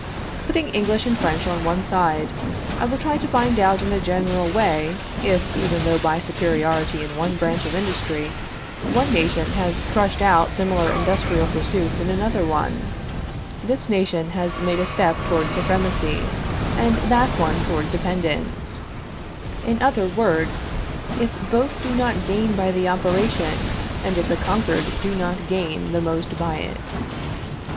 Putting English and French on one side, I will try to find out in a general way, if, even though by superiority in one branch of industry, one nation has crushed out similar industrial pursuits in another one, this nation has made a step toward supremacy, and that one toward dependence; in other words, if both do not gain by the operation, and if the conquered do not gain the most by it.